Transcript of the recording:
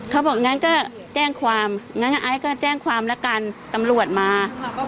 เขาบอกงั้นก็แจ้งความงั้นไอซ์ก็แจ้งความละกันตำรวจมา